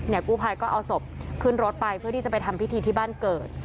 กู้ภัยก็เอาศพขึ้นรถไปเพื่อที่จะไปทำพิธีที่บ้านเกิด